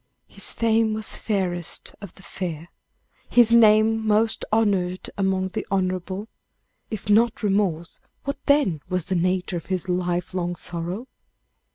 His fame was fairest of the fair, his name most honored among the, honorable. If not remorse, what then was the nature of his life long sorrow?